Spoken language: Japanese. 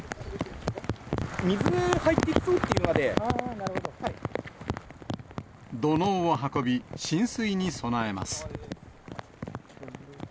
水が入ってきそうだというの土のうを運び、浸水に備えます。